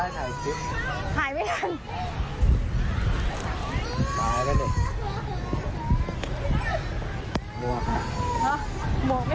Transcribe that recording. เร็ว